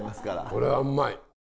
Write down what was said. これはうまい。